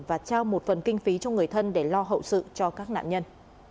và trao một phần kinh phí cho người thân để lo hậu sự cho các nạn nhân